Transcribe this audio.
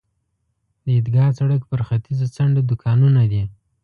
د عیدګاه سړک پر ختیځه څنډه دوکانونه دي.